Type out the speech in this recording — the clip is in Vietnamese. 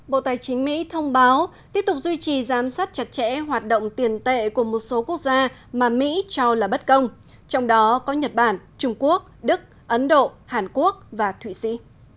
bộ tài chính mỹ thông báo tiếp tục duy trì giám sát chặt chẽ hoạt động tiền tệ của một số quốc gia mà mỹ cho là bất công trong đó có nhật bản trung quốc đức ấn độ hàn quốc và thụy sĩ